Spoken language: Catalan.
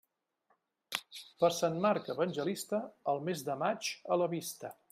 Per Sant Marc Evangelista, el mes de maig a la vista.